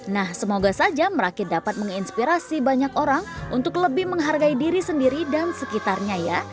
nah semoga saja merakit dapat menginspirasi banyak orang untuk lebih menghargai diri sendiri dan sekitarnya ya